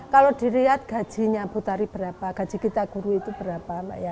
kalau dilihat gajinya bu tari berapa gaji kita guru itu berapa